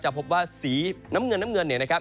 พบว่าสีน้ำเงินน้ำเงินเนี่ยนะครับ